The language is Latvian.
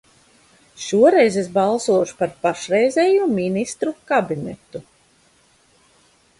Šoreiz es balsošu par pašreizējo Ministru kabinetu.